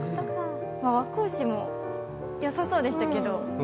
和光市もよさそうでしたけど。